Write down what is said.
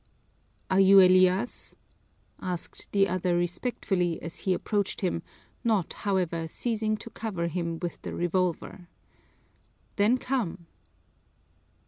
"Are you Elias?" asked the other respectfully, as he approached him, not, however, ceasing to cover him with the revolver. "Then come!"